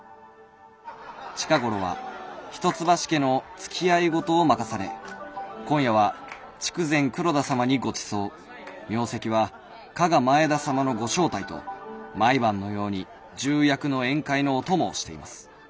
近頃は一橋家のつきあい事を任され今夜は筑前黒田様にごちそう明夕は加賀前田様のご招待と毎晩のように重役の宴会のお供をしています。